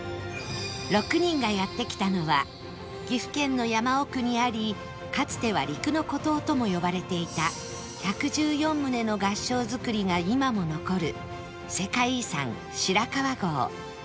６人がやって来たのは岐阜県の山奥にありかつては「陸の孤島」とも呼ばれていた１１４棟の合掌造りが今も残る世界遺産白川郷